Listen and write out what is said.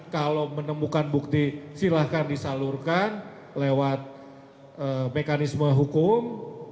kalau menemukan bukti silahkan disalurkan lewat mekanisme hukum